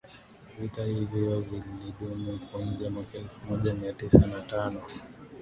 Vita hivyo vilidumu kuanzia mwaka elfu moja mia tisa na tano